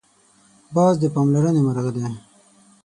باز د پاملرنې مرغه دی